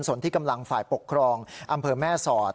ส่วนที่กำลังฝ่ายปกครองอำเภอแม่สอด